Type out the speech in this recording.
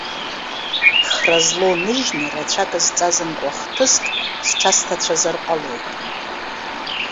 Хра злоу ныжьны, рацәак зҵазымкуа хҭыск сҽасҭацәазар ҟалоит.